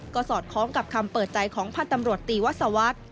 ก็สอดคล้องกับคำเปิดใจของพันธ์ตำรวจตีวัศวรรษ